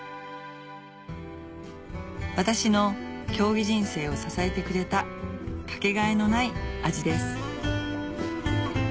私の競技人生を支えてくれたかけがえのない味です